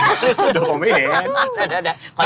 เดี๋ยวผมไม่เห็น